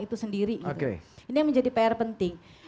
ini yang menjadi pr penting